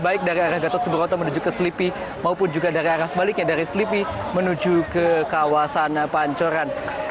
baik dari arah gatot subroto menuju ke selipi maupun juga dari arah sebaliknya dari selipi menuju ke kawasan pancoran